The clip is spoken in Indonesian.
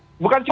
oke bang eky